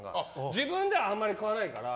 自分ではあんまり買わないから。